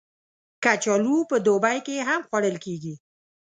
کچالو په دوبی کې هم خوړل کېږي